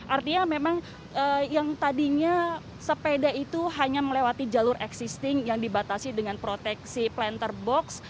artinya memang yang tadinya sepeda itu hanya melewati jalur existing yang dibatasi dengan proteksi planter box